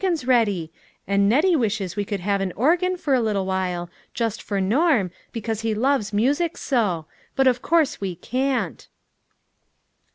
ens ready ; and Nettie wishes we could have an organ for a little while, just for Norm, because he loves music so, but of course we can't."